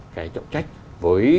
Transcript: cái trọng trách với